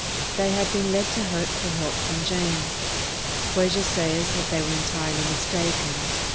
They had been led to hope for help from James. Cuellar says that they were entirely mistaken.